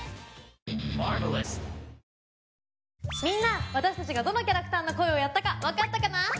みんな私たちがどのキャラクターの声をやったかわかったかな？